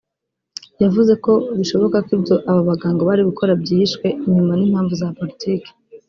yavuze ko bishoboka ko ibyo aba baganga bari gukora byihishwe inyuma n’impamvu za politiki